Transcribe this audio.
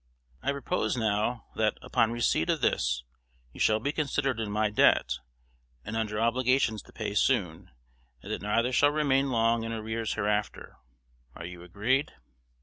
I propose now, that, upon receipt of this, you shall be considered in my debt, and under obligations to pay soon, and that neither shall remain long in arrears hereafter. Are you agreed?